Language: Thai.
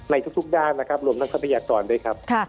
ในทุกด้านรวมทั้งทศพยากรด้วยครับ